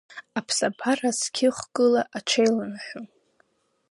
Аԥсабара зқьы-хкыла аҽеиланаҳәон.